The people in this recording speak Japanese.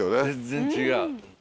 全然違う。